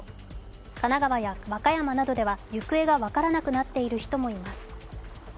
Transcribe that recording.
神奈川や和歌山などでは行方が分からなくなっている人もいます。